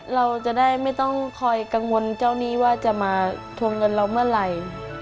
เราจะได้ไม่ต้องคอยกังวลเจ้าหนี้ว่าจะมาทวงเงินเราเมื่อไหร่